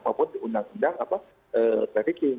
maupun undang undang trafficking